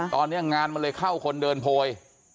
ตอนนี้งานมันเลยเข้าคนเดินโพย